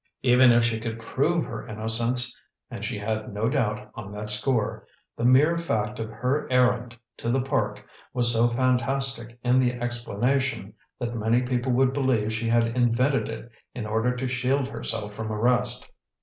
Even if she could prove her innocence and she had no doubt on that score the mere fact of her errand to the Park was so fantastic in the explanation, that many people would believe she had invented it in order to shield herself from arrest.